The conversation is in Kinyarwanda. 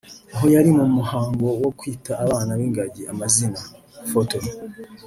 Aho yari mu muhango wo kwita abana b’ingagi amazina/Photo